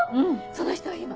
その人は今？